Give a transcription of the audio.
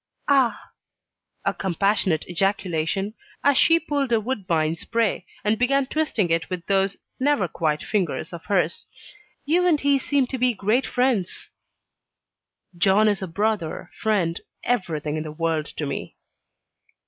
"Ah!" a compassionate ejaculation, as she pulled a woodbine spray, and began twisting it with those never quiet fingers of hers. "You and he seem to be great friends." "John is a brother, friend, everything in the world to me."